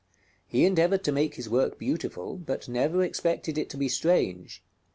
He endeavored to make his work beautiful, but never expected it to be strange.